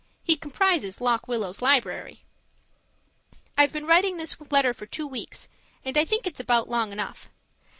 He comprises Lock Willow's library. I've been writing this letter for two weeks, and I think it's about long enough.